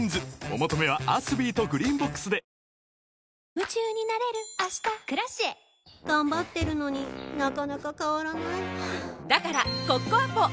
夢中になれる明日「Ｋｒａｃｉｅ」頑張ってるのになかなか変わらないはぁだからコッコアポ！